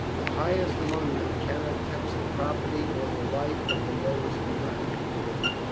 The highest among them cannot touch the property or the life of the lowest in rank.